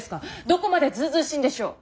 どこまでずうずうしいんでしょう。